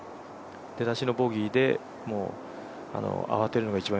出だしのボギーでもう慌てるのが一番